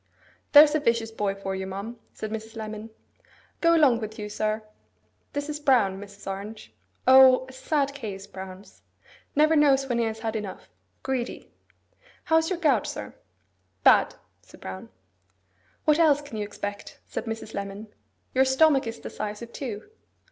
'There's a vicious boy for you, ma'am,' said Mrs. Lemon. 'Go along with you, sir. This is Brown, Mrs. Orange. O, a sad case, Brown's! Never knows when he has had enough. Greedy. How is your gout, sir?' 'Bad,' said Brown. 'What else can you expect?' said Mrs. Lemon. 'Your stomach is the size of two.